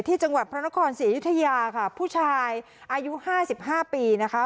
ที่จังหวัดพระนครเสียยุทยาค่ะผู้ชายอายุห้าสิบห้าปีนะคะ